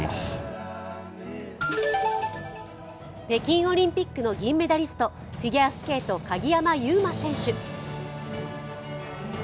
北京オリンピックの銀メダリスト、フィギュアスケート、鍵山優真選手。